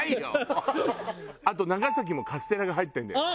あと長崎もカステラが入ってるんだよね。